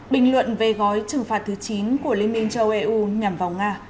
bình luận về gói trừng phạt thứ chín của liên minh châu âu eu nhằm vào nga